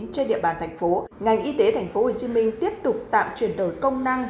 trên địa bàn tp hcm ngành y tế tp hcm tiếp tục tạm chuyển đổi công năng